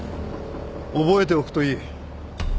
覚えておくといい